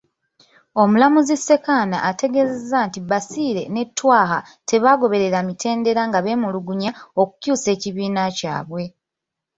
Omulamuzi Ssekaana ategeezezza nti Basile ne Twaha tebagoberera mitendera nga beemulugunya okukyusa ekibiina kyabwe.